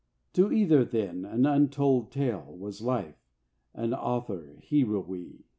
To either then an untold tale Was Life, and author, hero, we.